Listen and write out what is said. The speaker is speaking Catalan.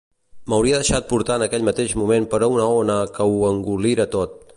M’hauria deixat portar en aquell mateix moment per una ona que ho engolira tot.